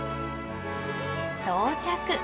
到着。